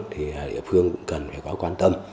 thì địa phương cũng cần phải có quan tâm